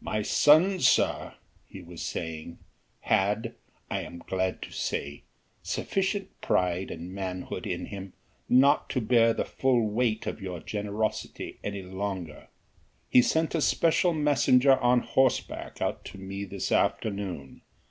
"My son, sir," he was saying, "had, I am glad to say, sufficient pride and manhood in him not to bear the full weight of your generosity any longer. He sent a special messenger on horseback out to me this afternoon.